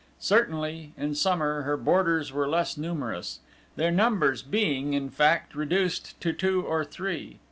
Certainly, in summer, her boarders were less numerous; their numbers being, in fact, reduced to two or three.